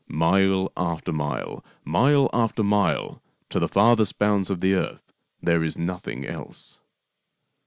" Mile after mile, mile after mile, to the farthest bounds of the earth there is nothing else."